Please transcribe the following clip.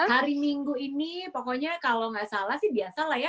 hari minggu ini pokoknya kalau nggak salah sih biasa lah ya